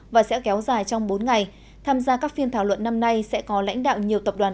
và sẽ kéo dài trong bốn ngày tham gia các phiên thảo luận năm nay sẽ có lãnh đạo nhiều tập đoàn